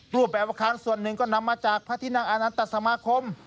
รูปแบบอาคารส่วนหนึ่งก็นำมาจากพระที่นั่งอานันตสมาคม